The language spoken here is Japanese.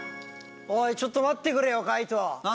おいちょっと待ってくれよ海人。